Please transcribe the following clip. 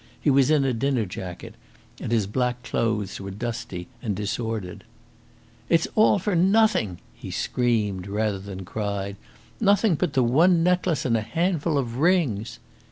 He was in a dinner jacket, and his black clothes were dusty and disordered. "It's all for nothing!" he screamed rather than cried. "Nothing but the one necklace and a handful of rings!"